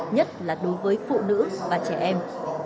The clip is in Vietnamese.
nhất là đối với phụ nữ và trẻ em